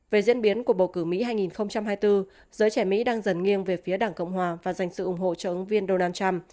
về diễn biến của bầu cử mỹ hai nghìn hai mươi bốn giới trẻ mỹ đang dần nghiêng về phía đảng cộng hòa và dành sự ủng hộ cho ứng viên donald trump